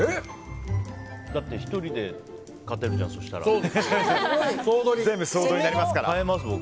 だって、１人で勝てるじゃん全部総取りになりますから。